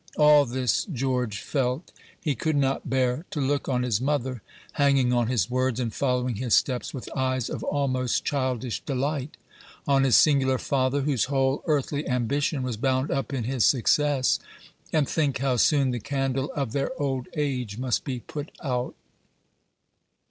All this George felt. He could not bear to look on his mother, hanging on his words and following his steps with eyes of almost childish delight on his singular father, whose whole earthly ambition was bound up in his success, and think how soon the "candle of their old age" must be put out.